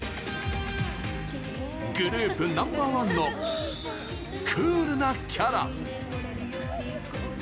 グループナンバーワンのクールなキャラ。